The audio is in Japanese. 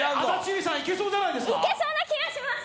いけそうな気がします。